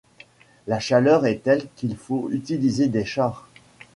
La chaleur est telle qu'il faut utiliser des chars.